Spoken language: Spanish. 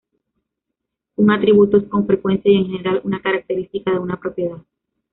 Un atributo es con frecuencia y en general una característica de una propiedad.